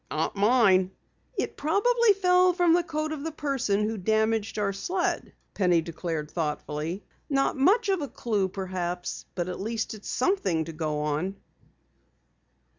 "Not mine." "It probably fell from the coat of the person who damaged our sled," Penny declared thoughtfully. "Not much of a clue, perhaps, but at least it's something to go on!"